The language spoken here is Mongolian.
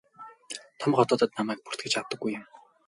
Том хотуудад намайг бүртгэж авдаггүй юм.